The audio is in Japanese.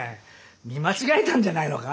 見間違えたんじゃないのか？